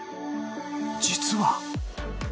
実は。